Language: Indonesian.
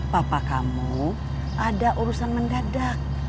papa kamu ada urusan mendadak